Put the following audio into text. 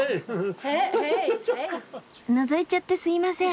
のぞいちゃってすいません。